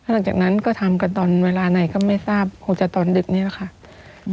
หลังจากนั้นก็ทำกันตอนเวลาไหนก็ไม่ทราบคงจะตอนดึกนี้แหละค่ะ